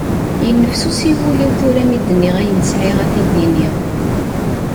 Yennefsusi wul-iw tura mi d-nniɣ ayen sεiɣ ad t-id-iniɣ.